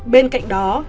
bên cạnh đó